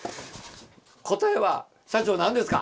答えは社長何ですか？